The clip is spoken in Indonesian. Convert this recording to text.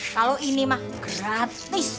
kalo ini mah gratis